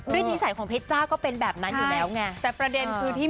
ด้วยนิสัยของเพชจ้าก็เป็นแบบนั้นอยู่แล้วไง